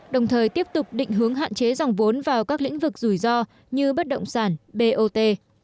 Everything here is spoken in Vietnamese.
đồng thời tiếp tục định hướng hạn chế dòng vốn vào các lĩnh vực rủi ro như bất động sản bot